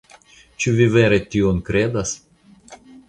Ĉu vi vere tion kredas?